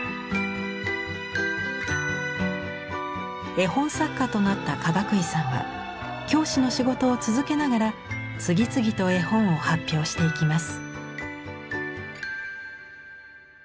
絵本作家となったかがくいさんは教師の仕事を続けながら次々と絵本を発表していきます。